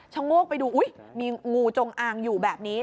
โงกไปดูอุ๊ยมีงูจงอางอยู่แบบนี้